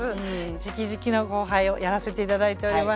じきじきの後輩をやらせて頂いております。